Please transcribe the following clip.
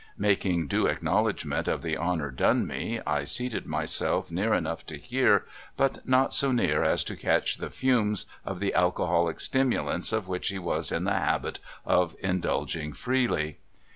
Mak ing due acknowledgment of the honor done me, I seated myself near enough to hear, but not so near as to catch the fumes of the alcoholic stimulants of which he was in the habit of indulging freely.